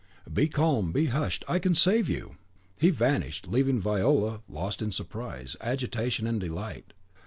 "Be calm, be hushed, I can save you." He vanished, leaving Viola lost in surprise, agitation, and delight.